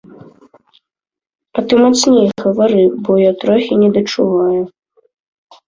А ты мацней гавары, бо я трохі недачуваю.